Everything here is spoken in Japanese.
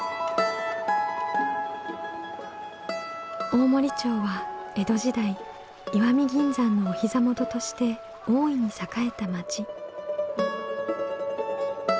大森町は江戸時代石見銀山のお膝元として大いに栄えた町。